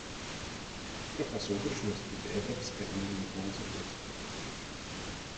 Trocha soudržnosti by Evropské unii pouze prospěla.